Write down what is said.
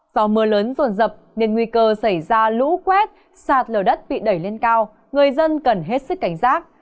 do mưa lớn ruột dập nên nguy cơ xảy ra lũ quét sạt lửa đất bị đẩy lên cao người dân cần hết sức cảnh giác